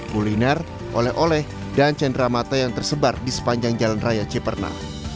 kuliner oleh oleh dan cendera mata yang tersebar di sepanjang jalan raya ciperna